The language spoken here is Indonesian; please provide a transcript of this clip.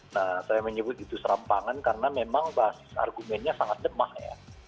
nah saya menyebut itu serampangan karena memang basis argumennya sangat lemah ya